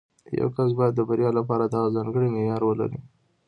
یو کس باید د بریا لپاره دغه ځانګړی معیار ولري